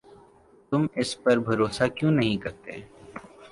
تم اس پر بھروسہ کیوں نہیں کرتے؟